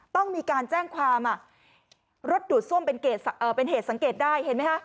ต้องมีการแจ้งความรถดูดซ่วมเป็นเหตุสังเกตได้เห็นไหมคะ